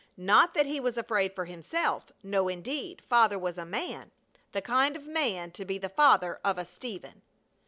Not that he was afraid for himself, no indeed. Father was a man! The kind of a man to be the father of a Stephen!